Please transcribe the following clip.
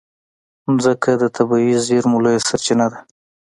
مځکه د طبعي زېرمو لویه سرچینه ده.